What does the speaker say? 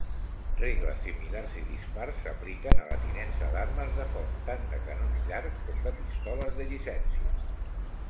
Regles similars i dispars s'apliquen a la tinença d'armes de foc, tant de canons llargs com de pistoles de llicència.